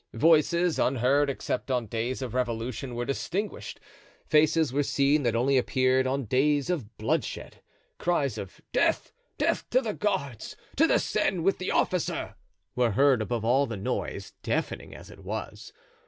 Voices, unheard except on days of revolution, were distinguished; faces were seen that only appeared on days of bloodshed. Cries of "Death! death to the guards! to the Seine with the officer!" were heard above all the noise, deafening as it was.